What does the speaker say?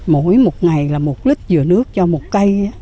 mỗi một ngày là một lít dừa nước cho một cây